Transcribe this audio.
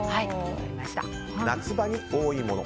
夏場に多いもの。